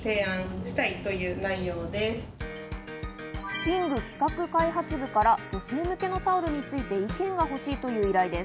寝具企画開発部から女性向けのタオルについて意見が欲しいという依頼です。